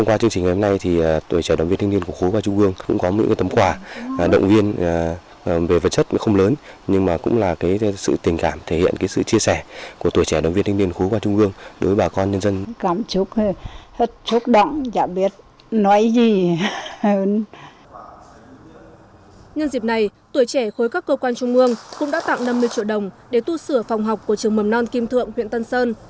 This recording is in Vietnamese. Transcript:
nhân dịp này tuổi trẻ khối các cơ quan trung mương cũng đã tặng năm mươi triệu đồng để tu sửa phòng học của trường mầm non kim thượng huyện tân sơn